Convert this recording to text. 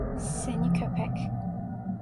Seni köpek!